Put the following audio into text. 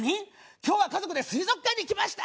「今日は家族で水族館に行きました」